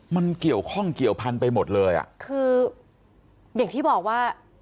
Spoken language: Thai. มันเกี่ยวข้องเกี่ยวพันธุ์ไปหมดเลยอ่ะคืออย่างที่บอกว่า